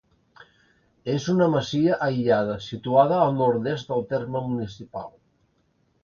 És una masia aïllada situada al nord-est del terme municipal.